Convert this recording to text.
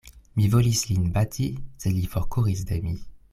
Mi volis lin bati, sed li forkuris de mi.